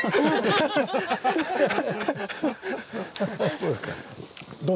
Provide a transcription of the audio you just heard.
そうか。